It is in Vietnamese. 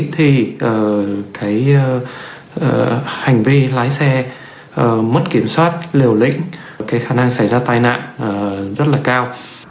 thì hành vi lái xe mất kiểm soát liều lĩnh khả năng xảy ra tai nạn rất là cao